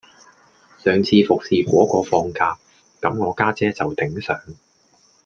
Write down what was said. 上次服侍果個放假,咁我家姐就頂上